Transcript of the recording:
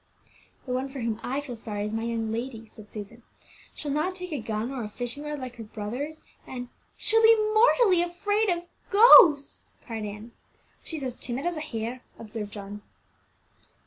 "The one for whom I feel sorry is my young lady," said Susan. "She'll not take a gun or a fishing rod like her brothers, and " "She'll be mortally afraid of ghosts," cried Ann. "She's timid as a hare," observed John.